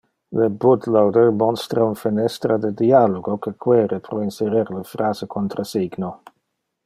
Le bootloader monstra un fenestra de dialogo que quere pro inserer le phrase contrasigno.